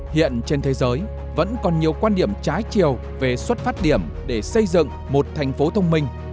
hiện trên thế giới vẫn còn nhiều quan điểm trái chiều về xuất phát điểm để xây dựng một thành phố thông minh